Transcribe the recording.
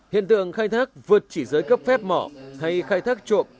hiện tượng khai thác vượt chỉ giới cấp phép mỏ hay khai thác trộm